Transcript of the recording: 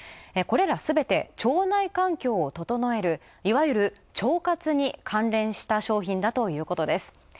これらすべて腸内環境を整えるいわゆる腸活に関連した商品だということです。